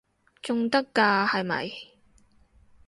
仲得㗎係咪？